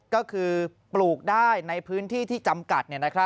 ก็คือปลูกได้ในพื้นที่ที่จำกัด